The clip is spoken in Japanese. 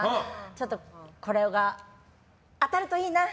ちょっとこれが当たるといいな。